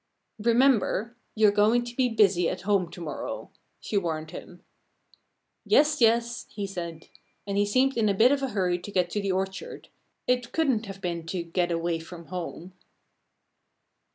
"Remember! You're going to be busy at home to morrow!" she warned him. "Yes! yes!" he said. And he seemed in a bit of a hurry to get to the orchard it couldn't have been to get away from home.